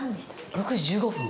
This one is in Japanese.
６時１５分。